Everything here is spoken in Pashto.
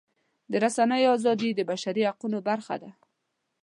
د رسنیو ازادي د بشري حقونو برخه ده.